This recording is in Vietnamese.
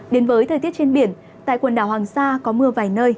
đến với thời tiết trên biển tại quần đảo hoàng sa có mưa vài nơi